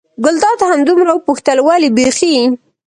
ګلداد همدومره وپوښتل: ولې بېخي.